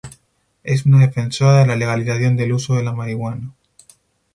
Es una defensora de la legalización del uso de la marihuana.